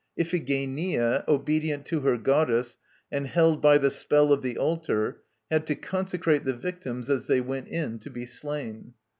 Iphigenia, obedient to her goddess, and held by "the spell of the altar," had to consecrate the victims as they went in to be slain.